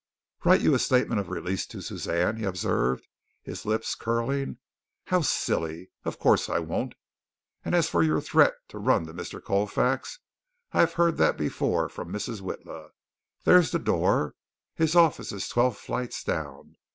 "Write you a statement of release to Suzanne?" he observed, his lips curling "how silly. Of course, I won't. And as for your threat to run to Mr. Colfax, I have heard that before from Mrs. Witla. There is the door. His office is twelve flights down.